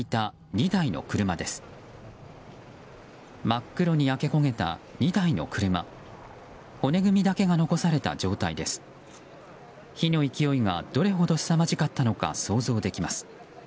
火の勢いがどれほどすさまじかったのか想像できます。